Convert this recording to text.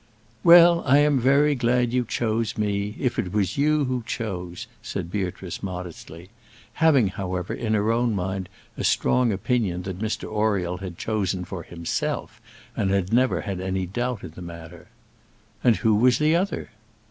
"Well, I am very glad you chose me; if it was you who chose," said Beatrice, modestly; having, however, in her own mind a strong opinion that Mr Oriel had chosen for himself, and had never had any doubt in the matter. "And who was the other?"